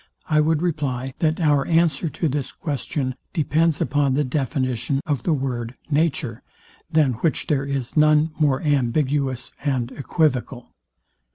I would reply, that our answer to this question depends upon the definition of the word, Nature, than which there is none more ambiguous and equivocal.